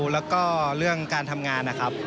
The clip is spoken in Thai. แล้วก็เรื่องการทำงานนะครับ